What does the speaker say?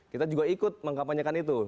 kita juga ikut mengkampanyekan itu